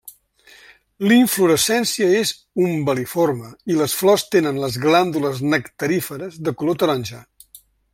La inflorescència és umbel·liforme i les flors tenen les glàndules nectaríferes de color taronja.